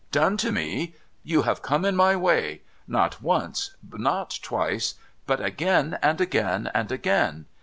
Done to me ? You have come in my way — not once, not twice, but again and again and again.